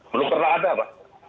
belum pernah ada pak